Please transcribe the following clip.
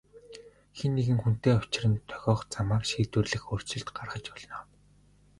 Хэн нэгэн хүнтэй учран тохиох замаар шийдвэрлэх өөрчлөлт гаргаж болно.